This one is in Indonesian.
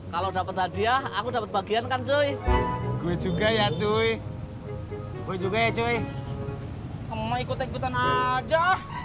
kalau dapet hadiah aku dapet bagian kan cuy gue juga ya cuy gue juga ya cuy kamu ikut ikutan aja